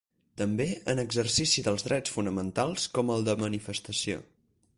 També en l’exercici dels drets fonamentals com el de manifestació.